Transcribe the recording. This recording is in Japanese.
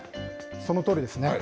そのとおりですね。